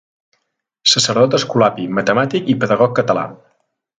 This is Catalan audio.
Sacerdot escolapi, matemàtic i pedagog català.